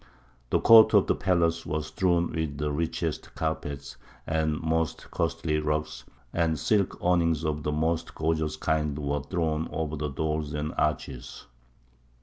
The court of the palace was strewn with the richest carpets and most costly rugs, and silk awnings of the most gorgeous kind were thrown over the doors and arches.